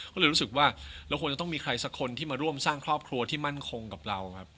ก็เลยรู้สึกว่าเราควรจะต้องมีใครสักคนที่มาร่วมสร้างครอบครัวที่มั่นคงกับเราครับ